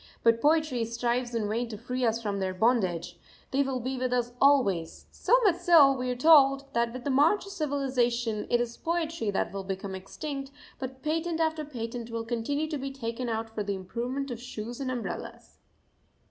But poetry strives in vain to free us from their bondage they will be with us always; so much so, we are told, that with the march of civilisation it is poetry that will become extinct, but patent after patent will continue to be taken out for the improvement of shoes and umbrellas.